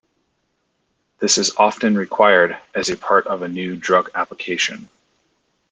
This is often required as a part of a new drug application.